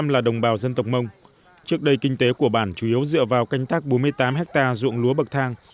một trăm linh là đồng bào dân tộc mông trước đây kinh tế của bản chủ yếu dựa vào canh tác bốn mươi tám ha dụng lúa bậc thang